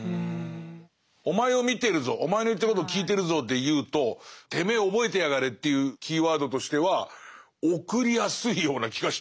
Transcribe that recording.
お前を見てるぞお前の言ってることを聞いてるぞでいうとてめえ覚えてやがれっていうキーワードとしては送りやすいような気がしてきた。